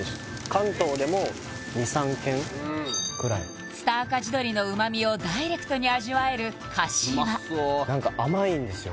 関東でも２３軒ぐらい蔦赤地鶏の旨みをダイレクトに味わえるかしわうまそう何か甘いんですよ